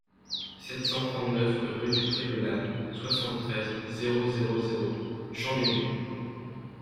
sept cent trente-neuf rue du Pré de l'Âne, soixante-treize, zéro zéro zéro, Chambéry